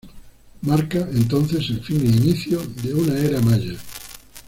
Marca, entonces, el fin e inicio de una era maya.